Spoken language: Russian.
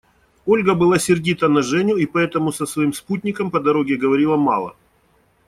Ольга была сердита на Женю и поэтому со своим спутником по дороге говорила мало.